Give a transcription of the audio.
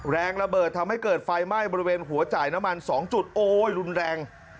แรงระเบิดทำให้เกิดไฟไหม้บริเวณหัวจ่ายน้ำมัน๒จุดโอ้ยรุนแรง